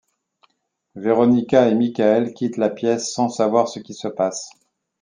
Veronica et Michael quittent la pièce sans savoir ce qui se passe...